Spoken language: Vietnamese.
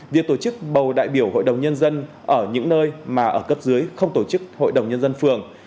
việc tổ chức bầu đại biểu hội đồng nhân dân ở những nơi mà ở cấp dưới không tổ chức hội đồng nhân dân phường